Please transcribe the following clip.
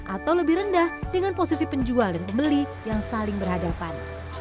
atau lebih rendah dengan posisi penjual dan pembeli yang saling berhadapan